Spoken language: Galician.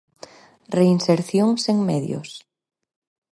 Reinserción sen medios.